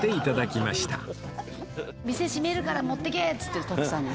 店閉めるから持ってけっつって徳さんに。